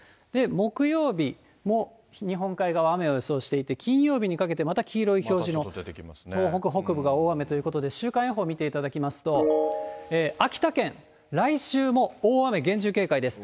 木曜日も日本海側、雨を予想していて、金曜日にかけてまた黄色い表示の、東北北部が大雨ということで、週間予報見ていただきますと、秋田県、来週も大雨、厳重警戒です。